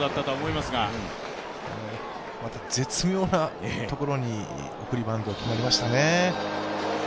また絶妙なところに送りバントが決まりましたね。